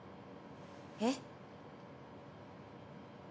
えっ？